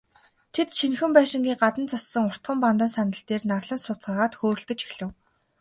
Тэд, шинэхэн байшингийн гадна зассан уртхан бандан сандал дээр нарлан сууцгаагаад хөөрөлдөж эхлэв.